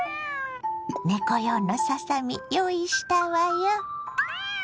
猫用のささみ用意したわよ。